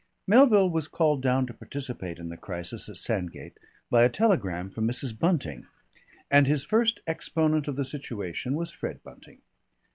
Melville was called down to participate in the crisis at Sandgate by a telegram from Mrs. Bunting, and his first exponent of the situation was Fred Bunting.